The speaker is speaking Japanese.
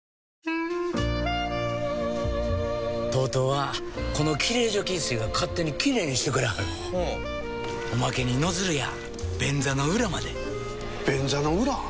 ＴＯＴＯはこのきれい除菌水が勝手にきれいにしてくれはるほうおまけにノズルや便座の裏まで便座の裏？